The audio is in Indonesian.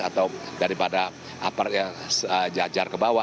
atau daripada apart yang sejajar ke bawah